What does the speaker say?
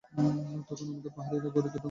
তখন আমাদের পাহারার ঘড়িতে ঢং ঢং করে দুটো বাজল।